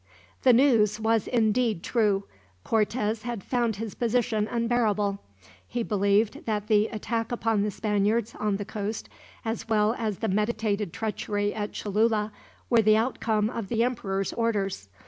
The news was indeed true. Cortez had found his position unbearable. He believed that the attack upon the Spaniards, on the coast, as well as the meditated treachery at Cholula, were the outcome of the emperor's orders.